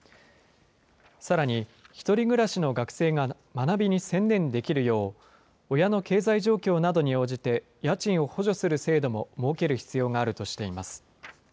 さらに、１人暮らしの学生が学びに専念できるよう、親の経済状況などに応じて、家賃を補助する制度も設ける必要があるとしています。